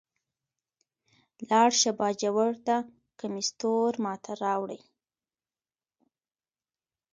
لاړ شه باجوړ ته کمیس تور ما ته راوړئ.